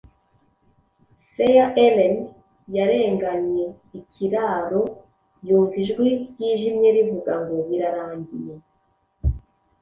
Fair Ellen yarenganye ikiraro, Yumva ijwi ryijimye rivuga ngo "Birarangiye?"